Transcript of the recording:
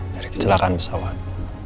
dari kecelakaan pesawat